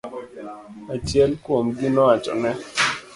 Achiel kuomgi nowachone.